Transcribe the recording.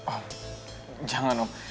om jangan ulam